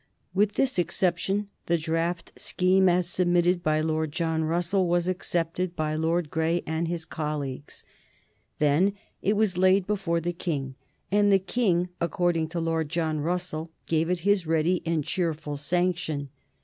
With this exception the draft scheme as submitted by Lord John Russell was accepted by Lord Grey and his colleagues. Then it was laid before the King, and the King, according to Lord John Russell, gave it his ready and cheerful sanction.